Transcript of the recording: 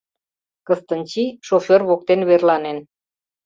Кыстынчий шофёр воктен верланен.